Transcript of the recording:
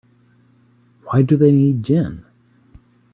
Why do they need gin?